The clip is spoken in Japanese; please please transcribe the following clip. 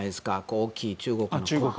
大きい中国の。